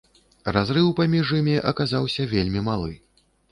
Разрыў паміж імі аказаўся вельмі малы.